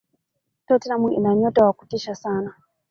tottenham ina nyota wa kutisha sana